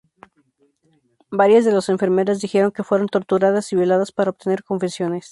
Varias de los enfermeras dijeron que fueron torturadas y violadas para obtener confesiones.